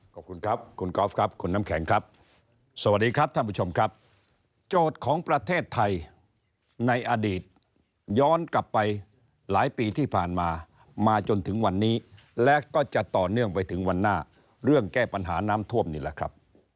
ขอบคุณครับคุณกอล์ฟครับคุณน้ำแข็งครับ